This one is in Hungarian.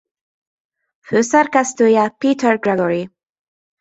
Főszerkesztője Peter Gregory.